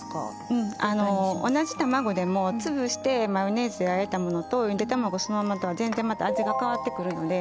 うんあの同じ卵でもつぶしてマヨネーズであえたものとゆで卵そのままとは全然また味が変わってくるので。